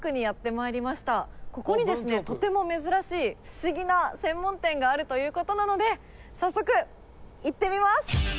ここにですねとても珍しいフシギな専門店があるという事なので早速行ってみます！